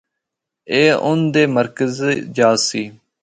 اے اُن دے مرکزی جا آسی۔